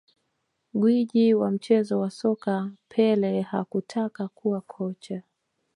Gwiji wa mchezo wa soka Pele hakutaka kuwa kocha